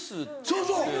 そうそう。